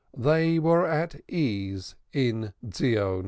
They were at ease in Zion.